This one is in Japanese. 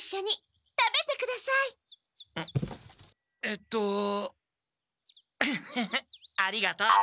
えっとフフフありがとう。